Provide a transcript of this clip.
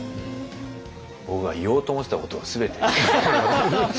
僕が言おうと思ってたことを全て。